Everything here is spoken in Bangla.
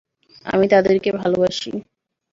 আমি তাদেরকে ভালবাসি।